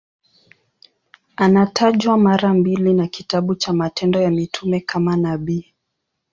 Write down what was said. Anatajwa mara mbili na kitabu cha Matendo ya Mitume kama nabii.